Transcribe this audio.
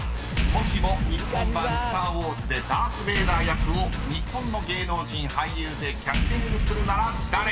もしも日本版『スター・ウォーズ』でダース・ベイダー役を日本の芸能人俳優でキャスティングするなら誰？］